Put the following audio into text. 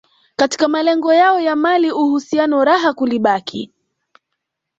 katika malengo yao ya mali uhusiano raha kulibaki